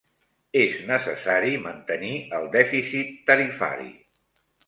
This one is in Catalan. És necessari mantenir el dèficit tarifari.